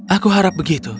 aku harap begitu